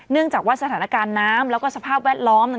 จากว่าสถานการณ์น้ำแล้วก็สภาพแวดล้อม